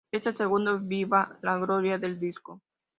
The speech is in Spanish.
Es el segundo Viva la Gloria del disco.